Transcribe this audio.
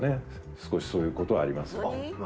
少しそういう事はありますよ。